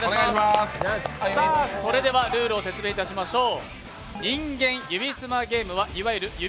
それではルールを説明いたしましょう。